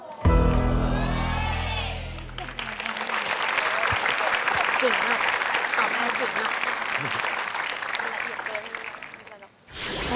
จริงหรือแบบนั้น